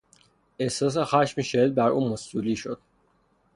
احساس خشم شدید بر او مستولی شد.